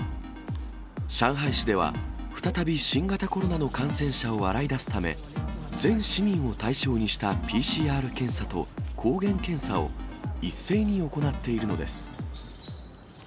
上海市では、再び新型コロナの感染者を洗い出すため、全市民を対象にしたＰＣＲ検査と抗原検査を一斉に行っているのです。